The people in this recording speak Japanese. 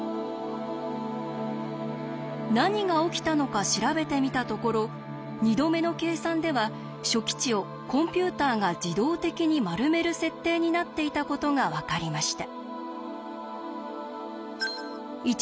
何が起きたのか調べてみたところ２度目の計算では初期値をコンピューターが自動的に丸める設定になっていたことが分かりました。